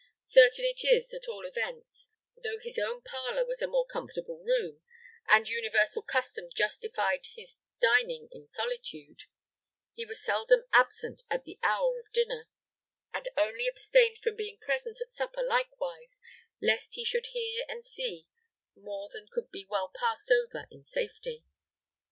Certain it is, at all events, though his own parlor was a more comfortable room, and universal custom justified his dining in solitude, he was seldom absent at the hour of dinner, and only abstained from being present at supper likewise, lest he should hear and see more than could be well passed over in safety.